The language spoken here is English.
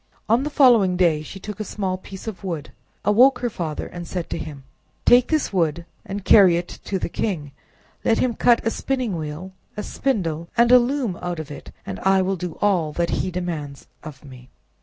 On the following day she took a small piece of wood, awoke her father, and said to him— "Take this wood, and carry it to the king; let him cut a spinning wheel, a spindle, and a loom out of it, and I will do all that he demands of me."